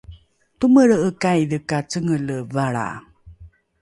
tomelre’ekaidhe ka cengele valra